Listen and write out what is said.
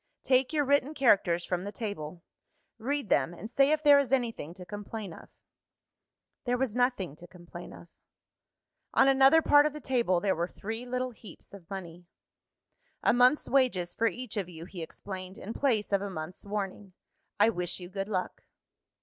Take your written characters from the table; read them, and say if there is anything to complain of." There was nothing to complain of. On another part of the table there were three little heaps of money. "A month's wages for each of you," he explained, "in place of a month's warning. I wish you good luck."